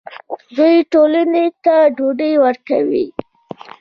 دوی ټولنې ته ډوډۍ ورکوي.